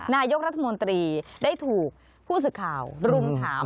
นายกรัฐมนตรีได้ถูกผู้สื่อข่าวรุมถาม